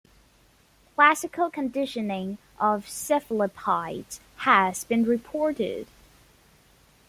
Classical conditioning of cephalopods has been reported.